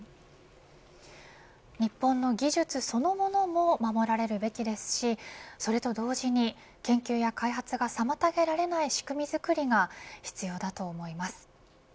日本の技術そのものも守られるべきですしそれと同時に研究や開発が妨げられない仕組み作りが必要だと思います。